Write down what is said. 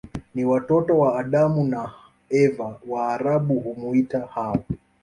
Ni watoto wa Adamu na Eva Waarabu humuita Hawa